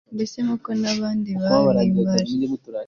mbese nk'uko n'abandi babihimbaje